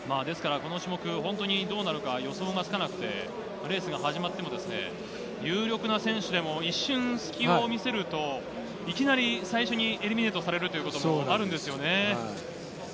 この種目どうなるか予想がつかなくてレースが始まっても有力な選手でも一瞬隙を見せるといきなり最初にエリミネイトされることもあるんですよね。